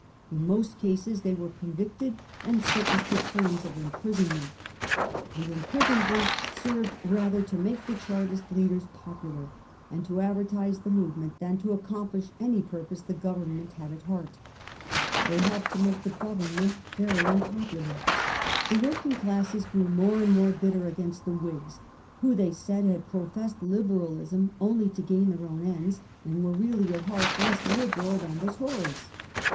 In most cases they were con victed and sentenced to terms of imprisonment. The imprisonment served rather to make the Chartist leaders popular, and to advertise the movement, than 1841. 'POVERTY AND PASSION. 123 to accomplish any purpose the Government had at heart. They helped to make the Government very unpopular. The working classes grew more and more hitter against the Whigs, who they said had professed Liberalism only to gain their own ends, and were really at heart less Liberal than the Tories.